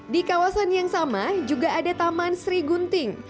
di kawasan yang sama juga ada taman sri gunting